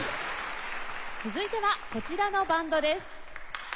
続いてはこちらのバンドです。